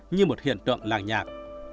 như một hiện tượng làng nhạc